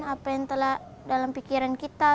apa yang telah dalam pikiran kita